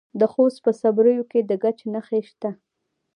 د خوست په صبریو کې د ګچ نښې شته.